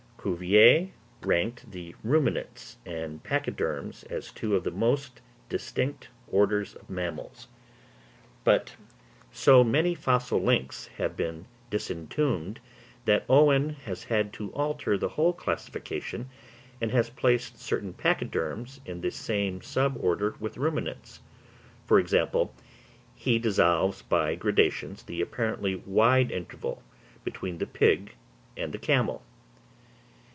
Cuvier ranked the Ruminants and Pachyderms as two of the most distinct orders of mammals; but so many fossil links have been disentombed that Owen has had to alter the whole classification, and has placed certain Pachyderms in the same sub order with ruminants; for example, he dissolves by gradations the apparently wide interval between the pig and the camel.